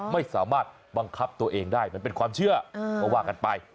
ไม่สามารถบังคับตัวเองได้มันเป็นความเชื่อก็ว่ากันไป